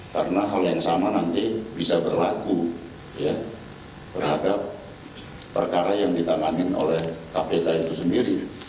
karena hal yang sama nanti bisa berlaku ya berhadap perkara yang ditangani oleh kpk itu sendiri